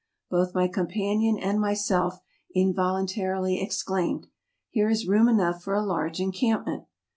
Both my companion and myself involuntarily exclaimed, Here is room enough for a large encampment!